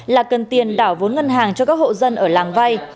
là cần tiền đảo vốn ngân hàng cho các hộ dân ở làng vay